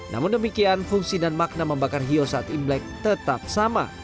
namun demikian fungsi dan makna membakar hiyo saat imlek tetap sama